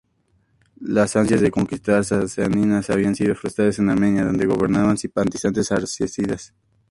Las ansias de conquista sasánidas habían sido frustradas en Armenia, donde gobernaban simpatizantes arsácidas.